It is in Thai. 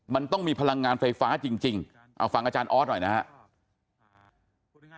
มันต้องมีพลังงานไฟฟ้าจริงเอาฟังอาจารย์ออสหน่อยนะครับ